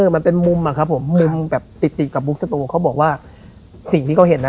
มันเป็นมุมอะครับผมมุมแบบติดติดกับบุ๊กสตูเขาบอกว่าสิ่งที่เขาเห็นนะ